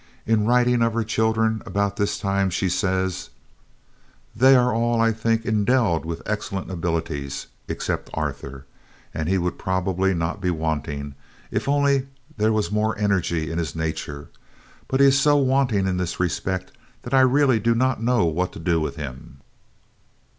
In writing of her children, about this time, she says: "They are all, I think, endowed with excellent abilities, except Arthur, and he would probably not be wanting, if only there was more energy in his nature; but he is so wanting in this respect, that I really do not know what to do with him."